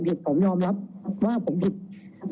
ตรงนี้คือผมยอมรับว่าผมผิดผมยอมรับว่าผมผิด